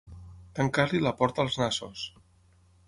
Tancar-li la porta als nassos.